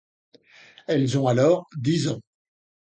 Elles ont alors dix ans.